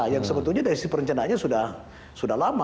yang sebetulnya dari sisi perencanaannya sudah lama